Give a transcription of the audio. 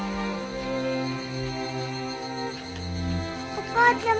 お母ちゃま。